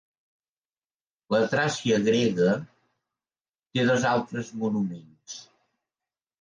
La Tràcia grega té dos altres monuments.